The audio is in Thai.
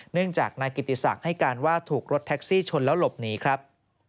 เนื่องจากนายกิติศักดิ์ให้การว่าถูกรถแท็กซี่ชนแล้วหลบหนีครับ